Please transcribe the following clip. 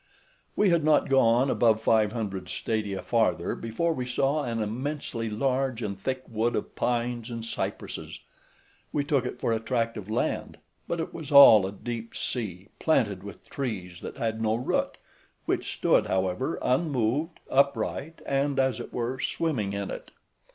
We had not gone above five hundred stadia farther before we saw an immensely large and thick wood of pines and cypresses; we took it for a tract of land, but it was all a deep sea, planted with trees that had no root, which stood, however, unmoved, upright, and, as it were, swimming in it.